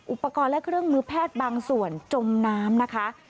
อุปกรณ์และเครื่องมือแพทย์บางส่วนจมน้ำนะคะ